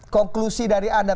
konklusi dari anda